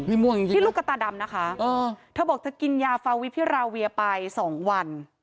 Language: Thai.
นี่ม่วงจริงนี่ลูกกระตาดำนะคะเธอบอกเธอกินยาฟาวิพิราเวียไปสองวัน